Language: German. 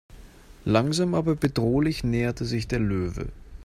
Langsam aber bedrohlich näherte sich der Löwe.